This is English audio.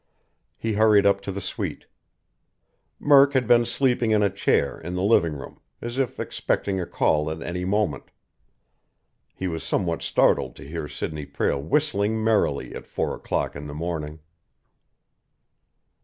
He hurried up to the suite. Murk had been sleeping in a chair in the living room, as if expecting a call at any moment. He was somewhat startled to hear Sidney Prale whistling merrily at four o'clock in the morning.